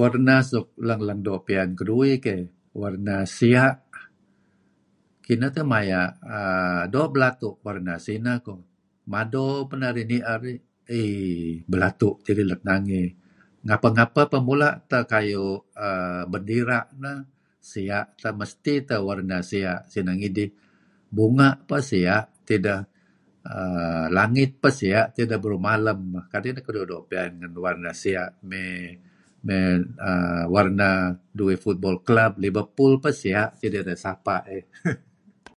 Warna suk leng-leng doo' pian keduih keyh, warna sia'. Kineh teh maya',[aah] doo' belatu' warna sineh ko'. Mado peh narih ni'er dih li...t belatu' tidih let nangey. Ngapeh-ngapeh peh mula' teh kayu' aah berira' neh, sia' teh. Mesti teh warna sia' sineh ngidih ngidih. Bunga' peh sia' tideh. Ah Langit peh sia' tideh beruh malem. Kadi' neh keduih doo' pian ngen warna sia', mey... mey Ah warna duih Football kelab Liverpool peh sia' teh dideh sapa' dih.